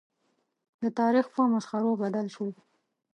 د تاریخ په مسخرو بدل شول.